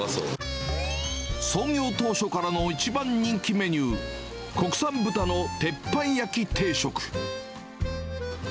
創業当初からの一番人気メニュー、国産豚の鉄板焼き定食。